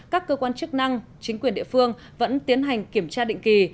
các cơ quan chức năng chính quyền địa phương vẫn tiến hành kiểm tra định kỳ